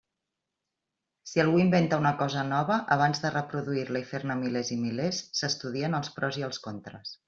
Si algú inventa una cosa nova, abans de reproduir-la i fer-ne milers i milers, s'estudien els pros i els contres.